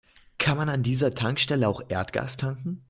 Kann man an dieser Tankstelle auch Erdgas tanken?